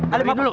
ale bantu dulu